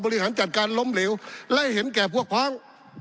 บริหารจัดการล้มเหลวไล่เห็นแก่พวกพ้อง